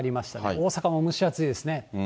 大阪も蒸し暑いですね。